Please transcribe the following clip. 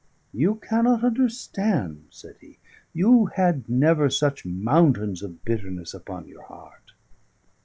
"You cannot understand," said he. "You had never such mountains of bitterness upon your heart."